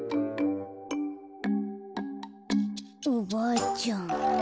おばあちゃん。